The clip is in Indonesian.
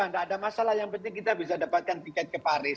tidak ada masalah yang penting kita bisa dapatkan tiket ke paris